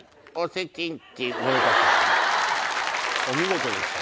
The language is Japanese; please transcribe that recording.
お見事でした。